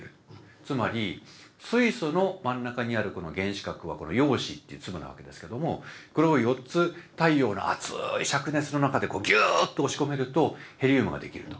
つまり水素の真ん中にあるこの原子核はこの陽子って粒なわけですけどもこれを４つ太陽の熱い灼熱の中でギューッと押し込めるとヘリウムができると。